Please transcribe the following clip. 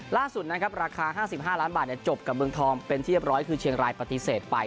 ล่าสุดนะครับราคา๕๕ล้านบาทจบกับเมืองทองเป็นที่เรียบร้อยคือเชียงรายปฏิเสธไป